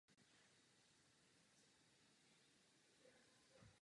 Byla zde dříve také cihelna a zahradnictví.